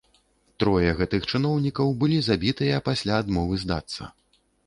Трое гэтых чыноўнікаў былі забітыя пасля адмовы здацца.